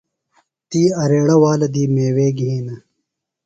تی اریڑہ والہ دی میوے گِھینہ۔